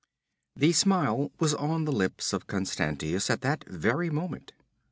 That smile was on the lips of Constantius at that very moment.